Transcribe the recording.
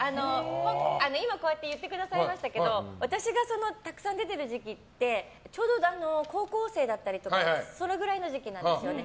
今こうやって言ってくださいましたけど私がたくさん出ている時期ってちょうど、高校生だったりとかそのくらいの時期なんですよね。